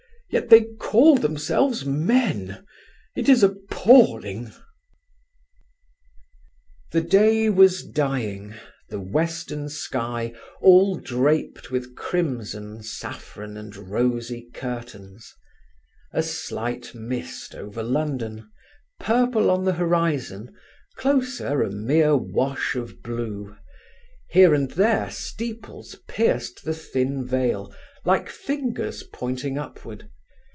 Yet they call themselves men. It is appalling." The day was dying, the western sky all draped with crimson, saffron and rosy curtains: a slight mist over London, purple on the horizon, closer, a mere wash of blue; here and there steeples pierced the thin veil like fingers pointing upward.